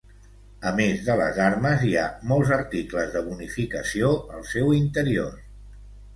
A més de les armes, hi ha molts articles de bonificació al seu interior.